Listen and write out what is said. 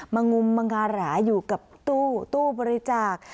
มงุมมงาหราอยู่กับตู้ตู้บริจาค